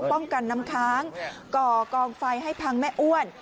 ป้องกันน้ำค้างก่อกองไฟให้พังแม่อ้วน